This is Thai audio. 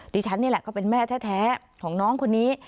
ฉันนี่แหละก็เป็นแม่แท้ของน้องคนนี้